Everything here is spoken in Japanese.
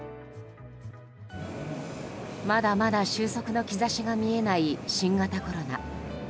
まだまだ終息の兆しが見えない新型コロナ。